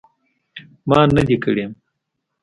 ما نه دي کړي